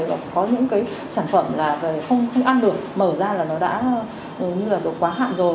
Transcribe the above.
có những cái sản phẩm là không ăn được mở ra là nó đã như là được quá hạn rồi